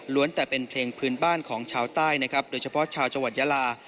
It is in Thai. แต่เป็นเพลงพื้นบ้านของชาวใต้นะครับโดยเฉพาะชาวจังหวัดยาลา